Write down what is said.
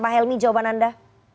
pak helmi jawaban anda